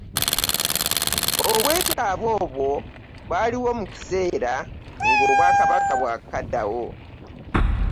Obwetaavu obwo bwaliwo mu kiseera ng'obwakabaka bwakaddawo.